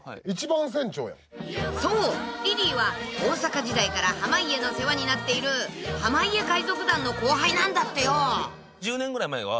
［そうリリーは大阪時代から濱家の世話になっている濱家海賊団の後輩なんだってよ］